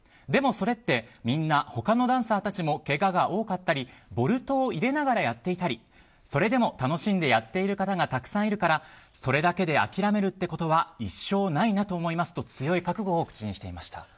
でもそれって、みんな他のダンサーたちもけがが多かったりボルトを入れながらやっていたりそれでも楽しんでやっている方がたくさんいるからそれだけで諦めるってことは一生ないなと思いますと強い覚悟を口にしていました。